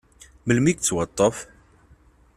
Melmi i yettwaṭṭef?